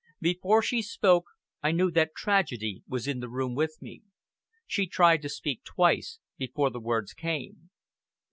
Before she spoke, I knew that tragedy was in the room with me. She tried to speak twice before the words came.